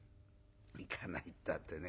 「行かないったってね